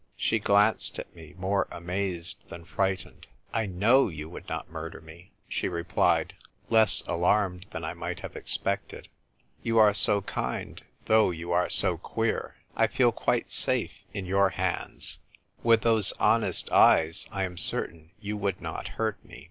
She glanced at me, more amazed than fright ened. " I knozv you would not murder me," she replied, less alarmed than I might have expected. "You are so kind, though you are so queer. I feel quite safe in your hands. With those honest eyes I am certain you would not hurt me."